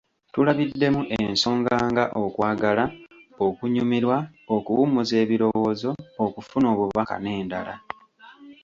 Tulabiddemu ensonga nga okwagala , okunyumirwa, okuwummuza ebirowoozo, okufuna obubaka n’endala.